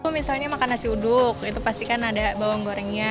misalnya makan nasi uduk itu pastikan ada bawang gorengnya